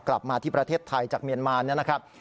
กลับมาที่ประเทศไทยจากเมียนมาเนี่ยนะครับ